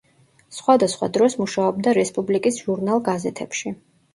სხვადასხვა დროს მუშაობდა რესპუბლიკის ჟურნალ-გაზეთებში.